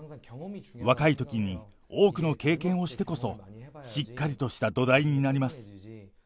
若いときに多くの経験をしてこそ、しっかりとした土台になります。